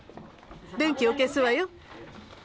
電気を消すわよ。